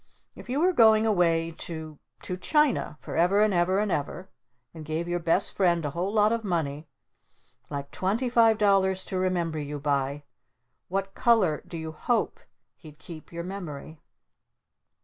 If you were going away to to China for ever and ever and ever and gave your Best Friend a whole lot of money like twenty five dollars to remember you by what color do you hope he'd keep your memory?"